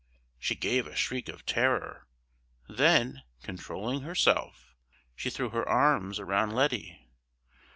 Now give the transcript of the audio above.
She gave a shriek of terror; then, controlling herself, she threw her arms around Letty.